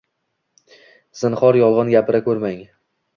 Zinhor yolg‘on gapira ko‘rmang.